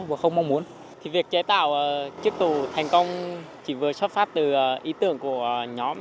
và không mong muốn thì việc chế tạo chiếc cầu thành công chỉ vừa xuất phát từ ý tưởng của nhóm